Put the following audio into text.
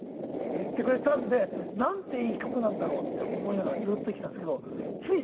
言ってくれたんでなんていい局なんだろうって思いながらずっと生きたんですけどつい